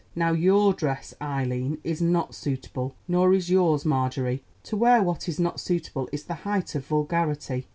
"Now, your dress, Eileen, is not suitable; nor is yours, Marjorie. To wear what is not suitable is the height of vulgarity."